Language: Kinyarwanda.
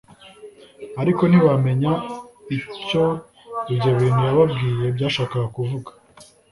Ariko ntibamenya icyo ibyo bintu yababwiye byashakaga kuvuga